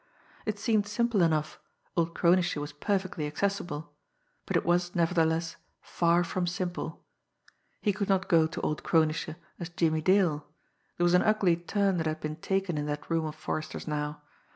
It seemed simple enough, old Kronische was perfectly accessible but it was, nevertheless, far from simple. He could not go to old Kronische as Jimmie Dale, there was an ugly turn that had been taken in that room of Forrester's now.